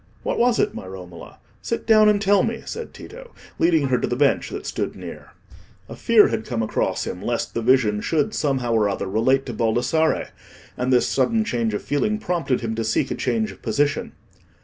"What was it, my Romola? Sit down and tell me," said Tito, leading her to the bench that stood near. A fear had come across him lest the vision should somehow or other relate to Baldassarre; and this sudden change of feeling prompted him to seek a change of position.